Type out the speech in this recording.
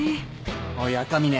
おい赤嶺